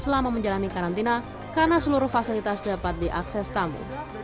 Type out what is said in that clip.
selama menjalani karantina karena seluruh fasilitas dapat diakses tamu